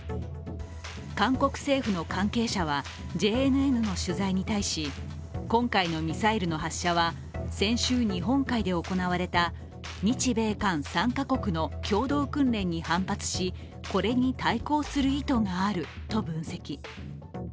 韓国政府の関係者は、ＪＮＮの取材に対し今回のミサイルの発射は、先週日本海で行われた日米韓３か国の共同訓練に反発しこれに対抗する意図があると分析。